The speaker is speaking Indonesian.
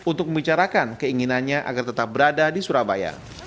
untuk membicarakan keinginannya agar tetap berada di surabaya